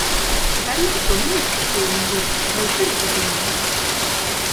Garik doministiku egin du. Gaixorik ote dago?